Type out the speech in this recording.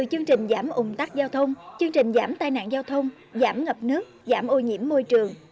một mươi chương trình giảm ủng tắc giao thông chương trình giảm tai nạn giao thông giảm ngập nước giảm ô nhiễm môi trường